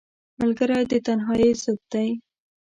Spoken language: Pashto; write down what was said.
ملګری د تنهایۍ ضد دی